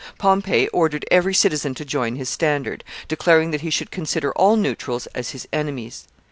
Pompey ordered every citizen to join his standard, declaring that he should consider all neutrals as his enemies.